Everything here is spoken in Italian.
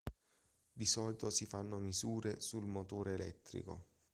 Di solito si fanno misure sul motore elettrico.